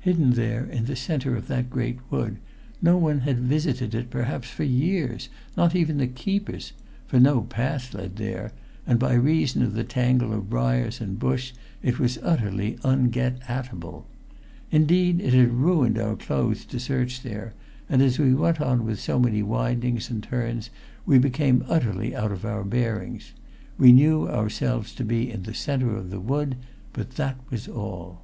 Hidden there in the center of that great wood, no one had visited it perhaps for years, not even the keepers, for no path led there, and by reason of the tangle of briars and bush it was utterly ungetatable. Indeed, it had ruined our clothes to search there, and as we went on with so many windings and turns we became utterly out of our bearings. We knew ourselves to be in the center of the wood, but that was all.